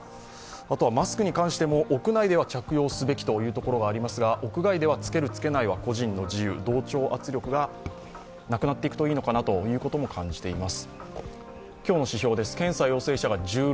あとはマスクに関しても屋内では着用すべきというのはありますが、屋外では、つける・つけないは個人の自由、同調圧力がなくなっていくといいのかなということも感じています。